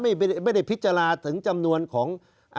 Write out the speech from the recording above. แบบนั้นไม่ได้พิจาระถึงจำนวนของ